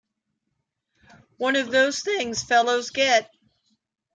One of those things fellows get.